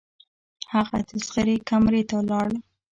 هغه د زغرې کمرې ته لاړ.